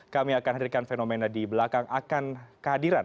kami akan hadirkan fenomena di belakang akan kehadiran